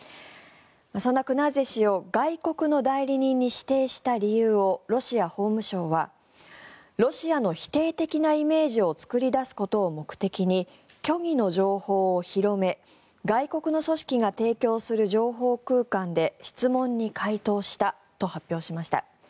そんなクナーゼ氏を外国の代理人に指定した理由をロシア法務省はロシアの否定的なイメージを作り出すことを目的に虚偽の情報を広め外国の組織が提供する情報空間で質問に回答したと発表しました。